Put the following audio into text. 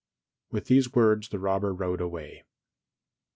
With these words the robber rode away.